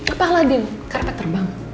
apa aladin karpet terbang